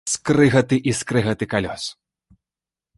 Скрыгаты і скрыгаты калёс.